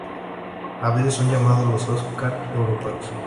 A veces son llamados los Óscar europeos.